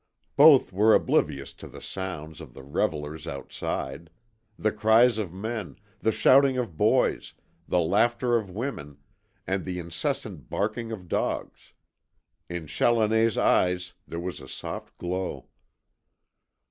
Both were oblivious of the sounds of the revellers outside; the cries of men, the shouting of boys, the laughter of women, and the incessant barking of dogs. In Challoner's eyes there was a soft glow.